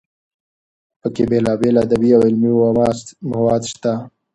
پکې بېلابېل ادبي او علمي مواد شته.